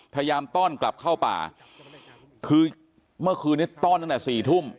ต้อนกลับเข้าป่าคือเมื่อคืนนี้ต้อนตั้งแต่สี่ทุ่ม